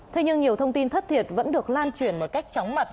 thế nhưng nhiều thông tin thất thiệt vẫn được lan truyền một cách chóng mặt